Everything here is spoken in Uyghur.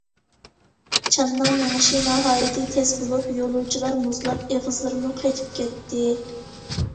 چانىنىڭ مېڭىشى ناھايىتى تېز بولۇپ، يولۇچىلار مۇزلاپ، ئېغىزلىرىمۇ قېتىپ كەتتى.